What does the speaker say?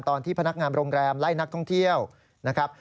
ตอนที่พนักงานโรงแรมไล่นักท่องเที่ยวนะครับ